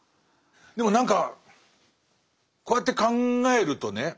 でも何かこうやって考えるとね